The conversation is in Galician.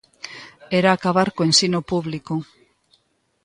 Era acabar co ensino público.